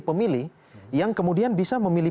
pemilih yang kemudian bisa memilih